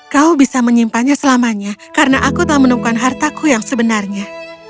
kau bisa menyimpannya selamanya karena aku telah menemukan hartaku yang sebenarnya